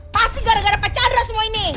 pasti gara gara pak jandra semua ini